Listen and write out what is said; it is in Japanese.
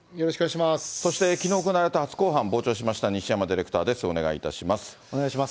そしてきのう行われた初公判、傍聴しました西山ディレクターでお願いします。